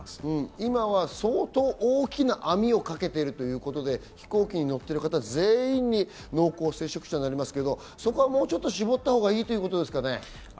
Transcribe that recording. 今は相当大きな網をかけているということで、飛行機に乗っている方全員に濃厚接触者になりますけど、そこはちょっと絞ったほうがいいということですかね？